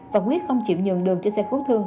và quyết không chịu nhường đường cho xe cứu thương